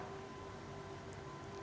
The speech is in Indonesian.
pak budi tadi sebelum break kita